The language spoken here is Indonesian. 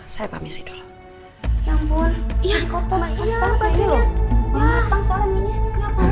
saya pamisi dulu ya ampun iya kota banyak baju ya ya ya ya bukan bopor